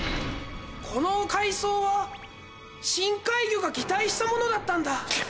この海藻は深海魚が擬態したものだったんだ。